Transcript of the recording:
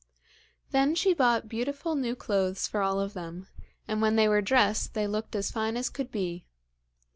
Then she bought beautiful new clothes for all of them, and when they were dressed they looked as fine as could be.